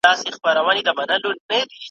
دا سفر یو طرفه دی نسته لار د ستنېدلو ,